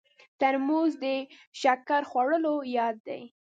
ترموز د شکر خوړلو یاد دی.